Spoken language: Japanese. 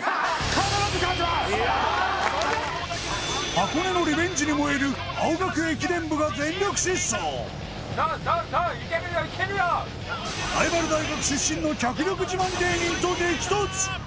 箱根のリベンジに燃える青学駅伝部が全力疾走ライバル大学出身の脚力自慢芸人と激突おお